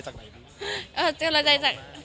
กำลังใจจากไหน